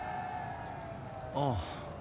ああ。